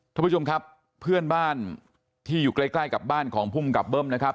ท่านผู้ชมครับเพื่อนบ้านที่อยู่ใกล้ใกล้กับบ้านของภูมิกับเบิ้มนะครับ